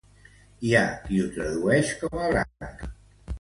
Hi ha qui ho traduïx com a branca.